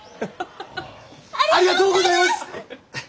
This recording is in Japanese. ありがとうございます！